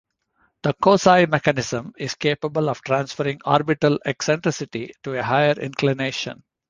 The Kozai mechanism is capable of transferring orbital eccentricity to a higher inclination.